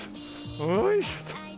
よいしょと。